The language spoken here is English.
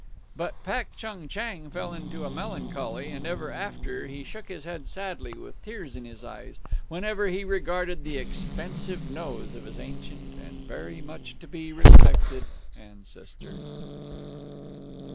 But Pak Chung Chang fell into a melancholy, and ever after he shook his head sadly, with tears in his eyes, whenever he regarded the expensive nose of his ancient and very much to be respected ancestor.